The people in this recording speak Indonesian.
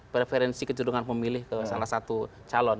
preferensi kejurungan pemilih ke salah satu calon